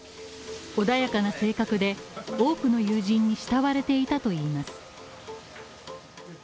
穏やかな性格で、多くの友人に慕われていたといいます。